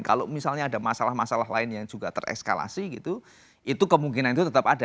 kalau misalnya ada masalah masalah lain yang juga tereskalasi gitu itu kemungkinan itu tetap ada